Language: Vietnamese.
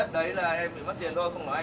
để em xuống gọi nhé